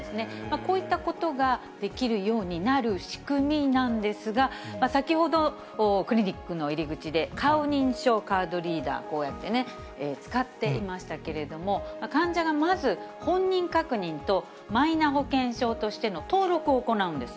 こういったことができるようになる仕組みなんですが、先ほど、クリニックの入り口で顔認証カードリーダー、こうやってね、使っていましたけれども、患者がまず、本人確認とマイナ保険証としての登録を行うんです。